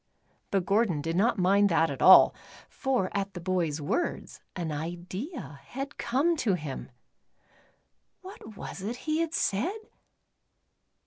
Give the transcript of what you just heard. But Gordon did not mind that at all, for at the bovs words, an idea had come to him. \\'hat was it he had said